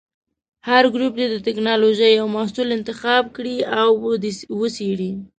هر ګروپ دې د ټېکنالوجۍ یو محصول انتخاب کړي او وڅېړي.